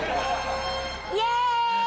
イエーイ！